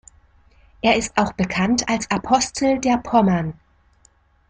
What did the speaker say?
Er ist auch bekannt als „Apostel der Pommern“.